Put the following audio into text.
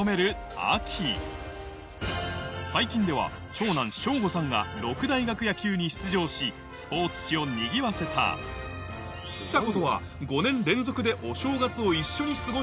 最近では長男正吾さんが六大学野球に出場しスポーツ紙をにぎわせたちさ子とはほどの仲２０年！